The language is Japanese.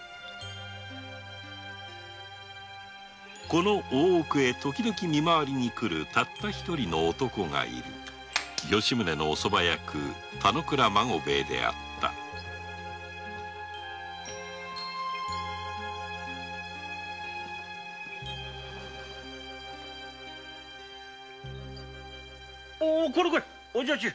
この大奥へ時々見回りに来るただ一人の男がいる吉宗のお側役田之倉孫兵衛であるコレお女中！